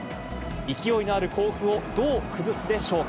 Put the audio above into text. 勢いのある甲府をどう崩すでしょうか。